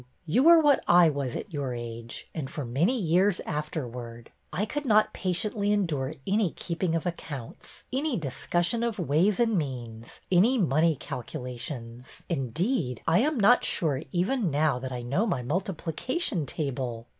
You are what I was at your age and for many years afterward. I could not patiently endure any keeping of accounts, any discussion of ways and means, any money calculations. Indeed, I am not sure even now that I know my multiplication table."